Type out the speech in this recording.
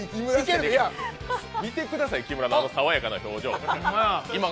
見てください、あの木村さんの爽やかな想像。